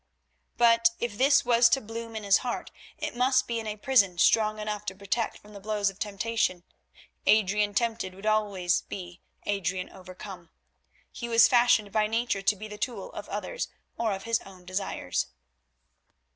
But if this was to bloom in his heart, it must be in a prison strong enough to protect from the blows of temptation. Adrian tempted would always be Adrian overcome. He was fashioned by nature to be the tool of others or of his own desires.